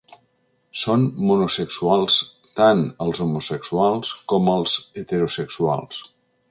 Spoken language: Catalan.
Són monosexuals tant els homosexuals com els heterosexuals.